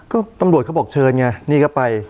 ก็ตำรวจเขาบอกเชิญไงนี่ก็ไป